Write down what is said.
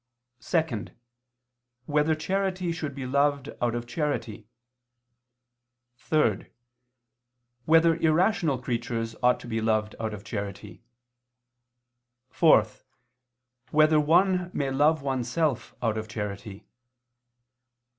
(2) Whether charity should be loved out of charity? (3) Whether irrational creatures ought to be loved out of charity? (4) Whether one may love oneself out of charity?